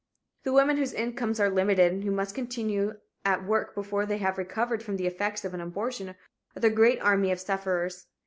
The women whose incomes are limited and who must continue at work before they have recovered from the effects of an abortion are the great army of sufferers.